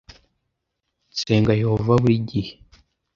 nsenga Yehova buri gihe,